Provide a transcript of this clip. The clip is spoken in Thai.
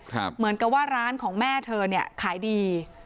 เหมือนกับว่าร้านของแม่เธอเนี่ยขายดี